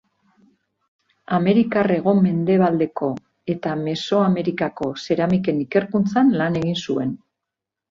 Amerikar hego-mendebaldeko eta Mesoamerikako zeramiken ikerkuntzan lan egin zuen.